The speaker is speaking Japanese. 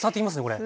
これ。